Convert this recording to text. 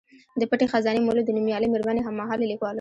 د پټې خزانې مولف د نومیالۍ میرمنې هم مهاله لیکوال و.